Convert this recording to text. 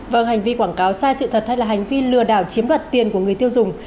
vâng hành vi quảng cáo sai sự thật hay là hành vi lừa đảo chiếm đoạt tiền của người tiêu dùng